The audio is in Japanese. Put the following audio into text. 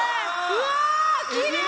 うわきれい！